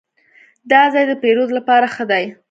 دا ځای د پیرود لپاره ښه دی.